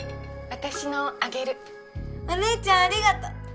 私のあげるお姉ちゃんありがとう！